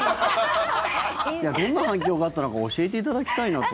どんな反響があったのか教えていただきたいなと。